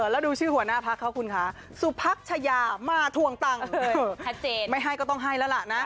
แล้วดูชื่อหัวหน้าพักเขาคุณคะสุพักชายามาทวงตังค์ไม่ให้ก็ต้องให้แล้วล่ะนะ